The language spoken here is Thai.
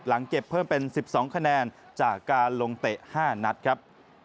เก็บเพิ่มเป็น๑๒คะแนนจากการลงเตะ๕นัดครับ